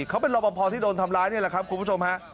เขาเป็นรอปภที่โดนทำร้ายนี่แหละครับคุณผู้ชมฮะ